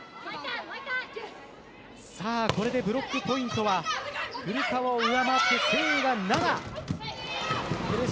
これでブロックポイントは古川を上回って誠英が７。